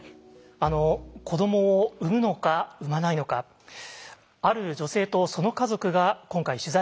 子どもを産むのか産まないのかある女性とその家族が今回取材に応じてくれました。